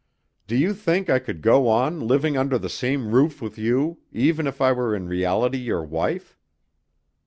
Do you think I could go on living under the same roof with you, even if I were in reality your wife?